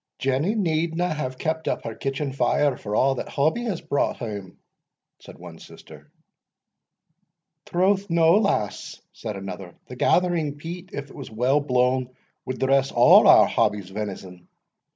"Jenny needna have kept up her kitchen fire for a' that Hobbie has brought hame," said one sister. "Troth no, lass," said another; "the gathering peat, if it was weel blawn, wad dress a' our Hobbie's venison."